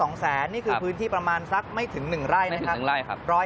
นี่คือพื้นที่ประมาณสักไม่ถึง๑ไร่นะครับ